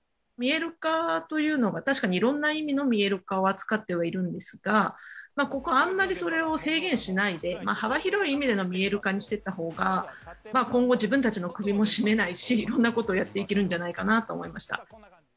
見える化というのが確かにいろんな意味の見える化を扱ってはいるんですがあまりそれを制限しないで幅広い意味での見える化にしていったほうが今後自分たちの首も締めないしいろんなことやっていけるんじゃないかなと思いました。